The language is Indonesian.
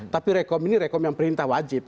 tapi rekom ini rekom yang perintah wajib